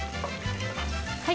はい。